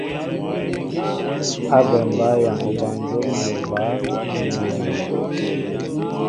Ábɛm bǎyaŋ obanjóm ni obǎ, ǹ yam̀an.